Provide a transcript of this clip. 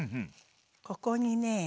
ここにね